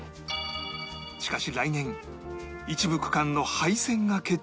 しかし来年一部区間の廃線が決定したという